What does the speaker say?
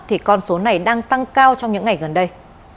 thì con số này đang tăng cao trong những ngày gần đây